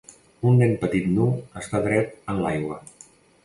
Un nen petit nu està dret en l'aigua.